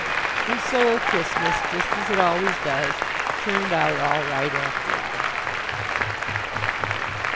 And so Christmas, just as it always does, turned out all right after all.